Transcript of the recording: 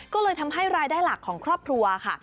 ก็เลยทำให้รายได้หลักของครอบครัวค่ะ